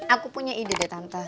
aku punya ide dari tante